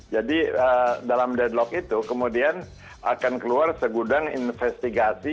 jadi dalam deadlock itu kemudian akan keluar segudang investigasi